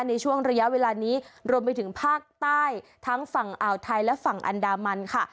ในช่วงระยะเวลานี้รวมไปถึงภาคใต้ทั้งฝั่งอ่าวไทยและฝั่งอันดามันค่ะ